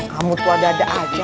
kamu tuh ada ada aja